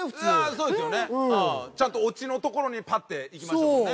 そうですよねちゃんとオチのところにパッていきましたもんね。